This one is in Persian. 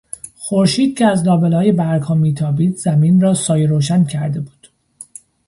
خورشید که از لابلای برگها میتابید زمین را سایهروشن کرده بود.